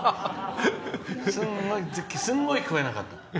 すごい聞こえなかった。